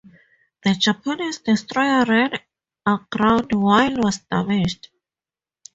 The Japanese destroyer ran aground, while was damaged.